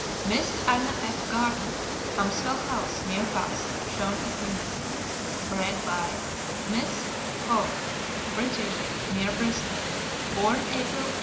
Miss Anna F. Gardner, Hamswell House, near Bath, shown as Mimi. Bred by Miss How, Bridgeyate, near Bristol. Born April, 1893.